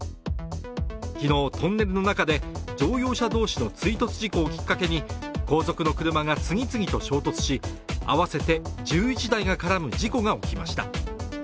昨日、トンネルの中で乗用車同士の追突事故をきっかけに後続の車が次々と衝突し合わせて１１台が絡む事故が起きました。